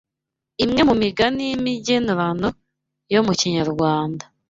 Imwe mu migani y’imigenurano yo mu Kinyarwanda